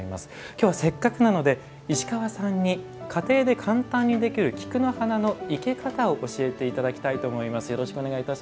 今日はせっかくなので石川さんに家庭で簡単にできる菊の花の生け方を教えていただきたいと思います。